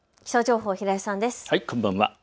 こんばんは。